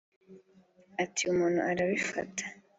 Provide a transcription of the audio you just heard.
Ati “Umuntu arabifata